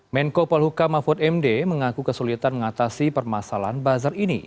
menko polhuka mahfud md mengaku kesulitan mengatasi permasalahan bazar ini